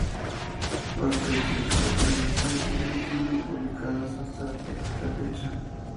Partes de esta autobiografía siguen siendo publicadas hasta esta fecha.